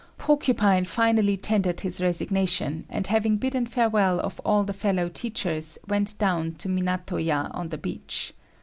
Porcupine finally tendered his resignation, and having bidden farewell of all the fellow teachers, went down to Minato ya on the beach.